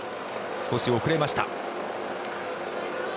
少し遅れました。